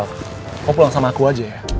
aku pulang sama aku aja ya